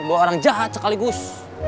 bawa orang jahat sekaligus